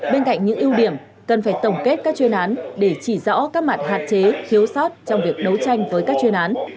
bên cạnh những ưu điểm cần phải tổng kết các chuyên án để chỉ rõ các mặt hạt chế khiếu sát trong việc đấu tranh với các chuyên án